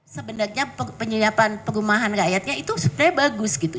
sebenarnya penyediaan perumahan rakyatnya itu sebenarnya bagus gitu